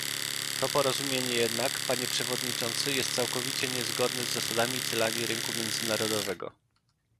To porozumienie jednak, panie przewodniczący, jest całkowicie niezgodne z zasadami i celami rynku międzynarodowego